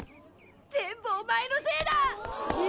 全部お前のせいだ！